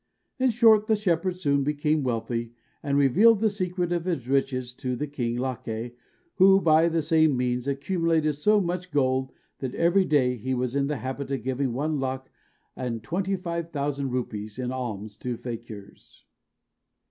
In short, the shepherd soon became wealthy, and revealed the secret of his riches to the king, Lakeh, who, by the same means, accumulated so much gold that every day he was in the habit of giving one lac and twenty five thousand rupees in alms to fakirs.